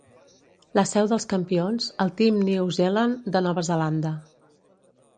La seu dels campions, el Team New Zealand de Nova Zelanda